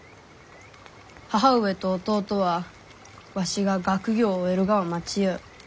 母上と弟はわしが学業を終えるがを待ちゆう。